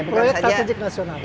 proyek strategik nasional